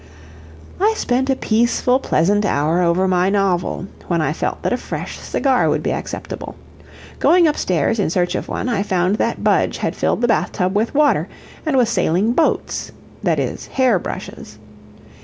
I spent a peaceful, pleasant hour over my novel, when I felt that a fresh cigar would be acceptable. Going up stairs in search of one I found that Budge had filled the bathtub with water, and was sailing boats, that is, hair brushes.